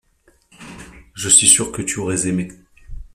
Je suis sûr que tu aurais aimé.